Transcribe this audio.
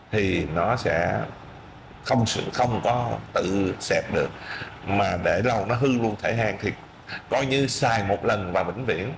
thì nó sẽ không có tự xẹp được mà để lâu nó hư luôn thể hạn thì coi như xài một lần và bình viễn